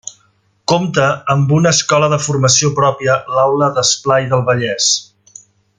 Compta amb una escola de formació pròpia l'Aula d'Esplai del Vallès.